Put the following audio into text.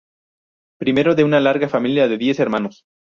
Primero de una larga familia de diez hermanos.